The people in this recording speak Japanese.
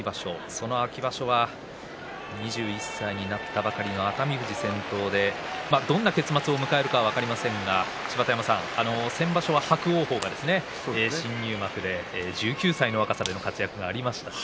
その秋場所は２１歳になったばかりの熱海富士が先頭でどんな結末を迎えるか分かりませんが、先場所は伯桜鵬が新入幕で１９歳の若さでの活躍がありました。